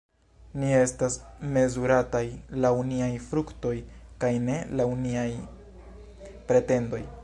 Ni estas mezurataj laŭ niaj fruktoj kaj ne laŭ niaj pretendoj!